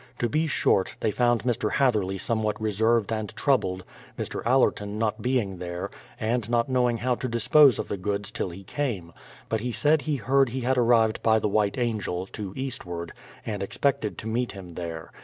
To be short, they found Mr. Hatherley somewhat reserved and troubled, Mr. Allerton not being there, and not knowing how to dispose of the goods till he came; but he said he heard he had arrived by the White Angel, to eastward, and expected to meet him there.